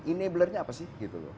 enablernya apa sih